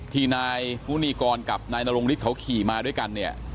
ที่นายมุนีกรกับนายนรงฤทธิเขาขี่มาด้วยกันเนี่ย